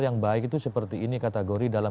yang baik itu seperti ini kategori dalam